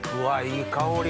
いい香り。